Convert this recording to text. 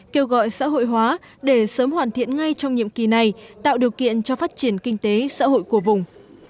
kêu gọi xã hội hóa để sớm hoàn thiện ngay trong nhiệm kỳ này tạo điều kiện cho phát triển kinh tế xã hội của vùng